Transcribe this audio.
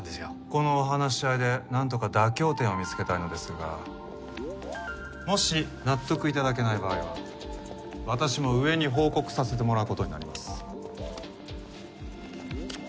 このお話し合いでなんとか妥協点を見つけたいのですがもし納得頂けない場合は私も上に報告させてもらう事になります。